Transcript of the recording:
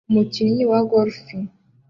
Umukinnyi wa golf